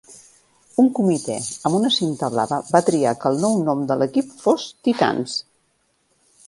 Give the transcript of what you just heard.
Un comitè amb una cinta blava va triar que el nou nom de l'equip fos "Titans".